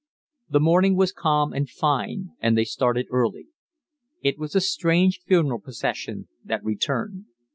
The morning was calm and fine, and they started early. It was a strange funeral procession that returned.